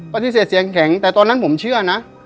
ปฏิเสธเสียงแข็งแต่ตอนนั้นผมเชื่อนะ